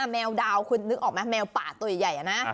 แมวดาวคุณนึกออกไหมแมวป่าตัวใหญ่นะ